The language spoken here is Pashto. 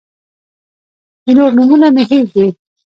د نورو نومونه مې هېر دي.